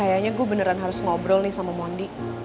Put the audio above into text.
kayaknya gue beneran harus ngobrol nih sama mondi